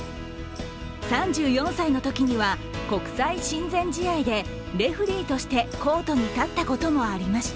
３４歳のときには国際親善試合でレフリーとしてコートに立ったこともありました。